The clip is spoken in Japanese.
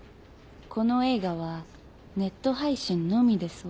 この映画はネット配信のみデスわ。